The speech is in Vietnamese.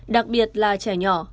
đặc biệt là trẻ nhỏ